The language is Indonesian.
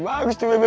ide bagus tuh bebe